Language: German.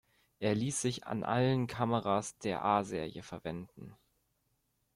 Er ließ sich an allen Kameras der A-Serie verwenden.